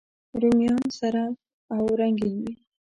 رومیان سره او رنګین وي